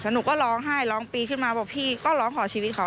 หนูก็ร้องไห้ร้องปีขึ้นมาบอกพี่ก็ร้องขอชีวิตเขา